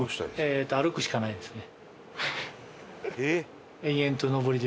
従業員：歩くしかないですね。